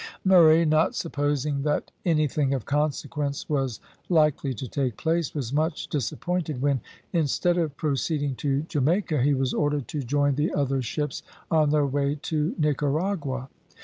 Murray, not supposing that anything of consequence was likely to take place, was much disappointed when, instead of proceeding to Jamaica, he was ordered to join the other ships on their way to Nicaragua.